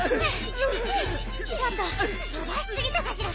ちょっととばしすぎたかしら？